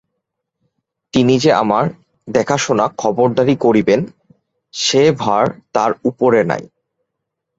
তিনি যে আমার দেখাশোনা খবরদারি করিবেন সে ভার তাঁর উপরে নাই।